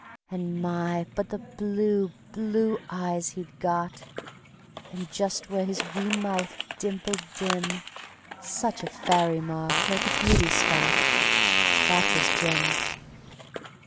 And my! but the blue, blue eyes he'd got, And just where his wee mouth dimpled dim Such a fairy mark like a beauty spot That was Jim.